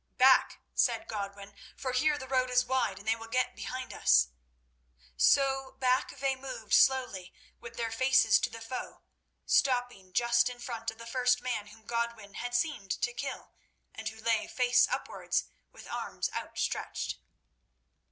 "Back!" said Godwin; "for here the road is wide; and they will get behind us." So back they moved slowly, with their faces to the foe, stopping just in front of the first man whom Godwin had seemed to kill, and who lay face upwards with arms outstretched.